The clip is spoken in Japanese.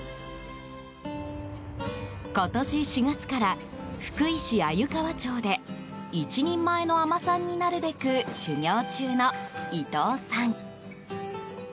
今年４月から福井市鮎川町で一人前の海女さんになるべく修業中の伊藤さん。